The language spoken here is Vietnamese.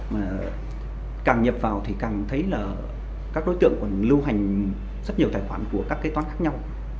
mà càng nhập vào thì càng thấy là các đối tượng còn lưu hành rất nhiều tài khoản của các kế toán khác nhau